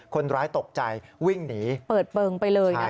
คนร้ายตกใจวิ่งหนีเปิดเปิงไปเลยนะคะ